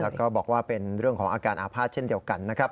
แล้วก็บอกว่าเป็นเรื่องของอาการอาภาษณ์เช่นเดียวกันนะครับ